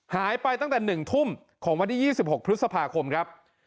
หายไปตั้งแต่๑ทุ่มของวันที่๒๖พฤษภาคมครับ